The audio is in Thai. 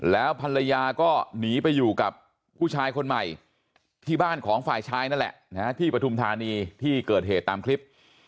แล้วภรรยาก็หนีไปอยู่กับผู้ชายคนใหม่ที่บ้านของฝ่ายชายนั่นแหละที่ปฐุมธานีที่เกิดเหตุตามคลิป